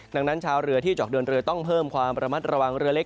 ดังนั้นชาวเรือที่จะออกเดินเรือต้องเพิ่มความระมัดระวังเรือเล็ก